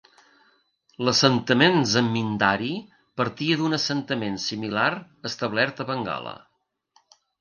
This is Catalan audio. L'assentament zamindari partia d'un assentament similar establert a Bengala.